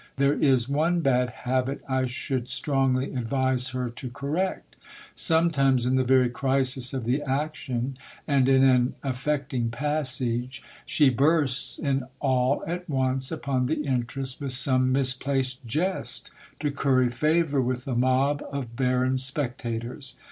There is one bad habit I should strongly advise her to correct Sometimes in the very crisis of the action, and in an affecting passage, she bursts in all at once upon the interest with some misplaced jest to curry favour with the mob of barren spectators.